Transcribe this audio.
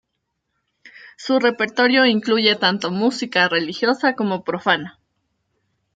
Su repertorio incluye tanto música religiosa como profana.